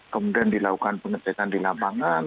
kemudian dilakukan pengecekan di lapangan